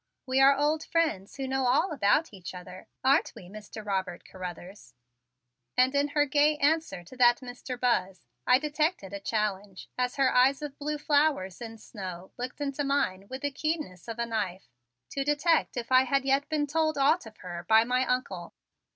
"We are old friends who know all about each other, aren't we, Mr. Robert Carruthers?" and in her gay answer to that Mr. Buzz I detected a challenge as her eyes of blue flowers in snow looked into mine with the keenness of a knife, to detect if I had yet been told aught of her by my Uncle.